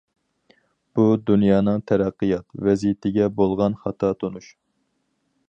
بۇ دۇنيانىڭ تەرەققىيات ۋەزىيىتىگە بولغان خاتا تونۇش.